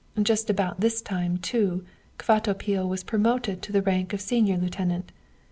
"'Just about this time, too, Kvatopil was promoted to the rank of senior lieutenant.